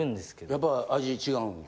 やっぱ味違うんや？